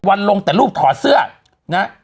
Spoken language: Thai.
วันลงแต่รูปถอดเสื้อนะ